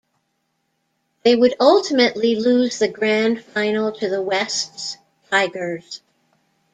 They would ultimately lose the grand final to the Wests Tigers.